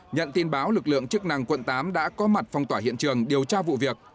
nhận tin báo lực lượng chức năng quận tám đã có mặt phong tỏa hiện trường điều tra vụ việc